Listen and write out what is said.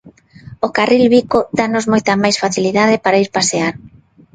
O carril bico danos moita máis facilidade para ir pasear.